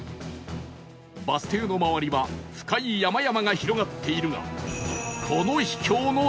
バス停の周りは深い山々が広がっているが